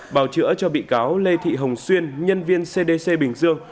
bào chữa cho bị cáo lê thị hồng xuyên nhân viên cdc bình dương